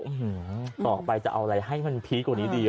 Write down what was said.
ต่อไปจะเอาอะไรให้มันพีคกว่านี้ดี